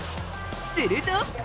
すると。